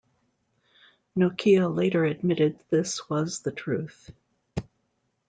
Nokia later admitted this was the truth.